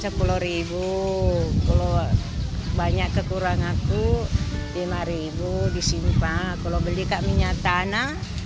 kalau banyak kekurang aku lima disimpan kalau beli keminyatana lima